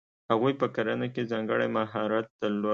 هغوی په کرنه کې ځانګړی مهارت درلود.